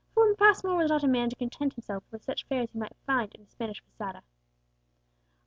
For Passmore was not a man to content himself with such fare as he might find in a Spanish posada.